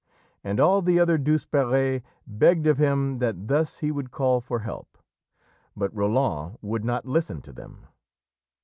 And all the other Douzeperes begged of him that thus he would call for help. But Roland would not listen to them.